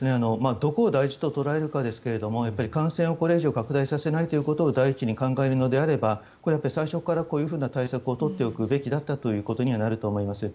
どこを大事と捉えるかですがやっぱり感染を、これ以上拡大させないということを第一に考えるのであれば最初から、こういう対策を取っておくべきだったとなると思います